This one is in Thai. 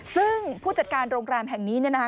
ซึ่งผู้จัดการโรงแรมแห่งนี้เนี่ยนะคะ